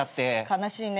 悲しいね。